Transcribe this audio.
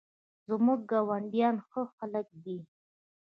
زموږ ګاونډیان ښه خلک دي